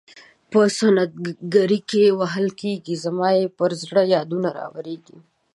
په سنت ګرۍ کې وهل کیږي زما پر زړه یادونه راوریږي.